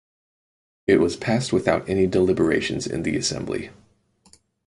It was passed without any deliberations in the assembly.